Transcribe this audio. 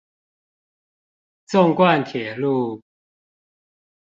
縱貫鐵路